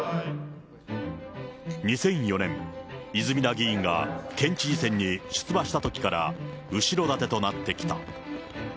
２００４年、泉田議員が県知事選に出馬したときから、後ろ盾となってきた。